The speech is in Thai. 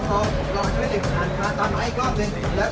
ขออนุญาตอ่านหมายคนนะครับ